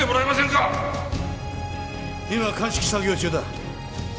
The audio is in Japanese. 今は鑑識作業中だ。